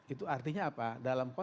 itu artinya apa